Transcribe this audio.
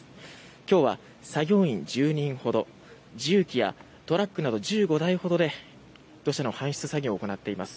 今日は作業員１０人ほど重機やトラックなど１５台ほどで土砂の搬出作業を行っています。